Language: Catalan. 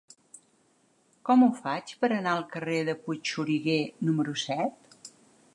Com ho faig per anar al carrer de Puigxuriguer número set?